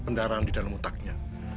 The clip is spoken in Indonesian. pendarahan di dalam utaknya